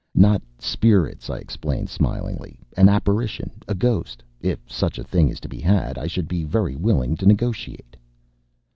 "Not spirits," I explained smilingly; "an apparition a ghost. If such a thing is to be had, I should be very willing to negotiate."